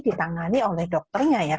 ditangani oleh dokternya